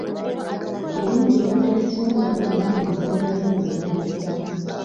Kirungi obuteesunga nnyo mu biseera by'emizannyo.